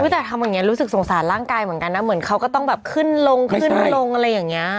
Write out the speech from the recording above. แต่ทำอย่างนี้รู้สึกสงสารร่างกายเหมือนกันนะเหมือนเขาก็ต้องแบบขึ้นลงขึ้นลงอะไรอย่างนี้